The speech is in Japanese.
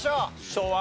昭和？